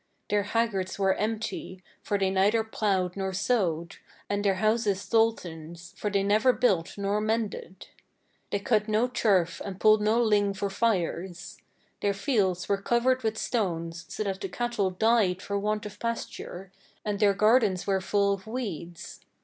Their haggards were empty, for they neither ploughed nor sowed, and their houses tholthans, for they neither built nor mended. They cut no turf and pulled no ling for fires. Their fields were covered with stones, so that the cattle died for want of pasture, and their gardens were full of weeds.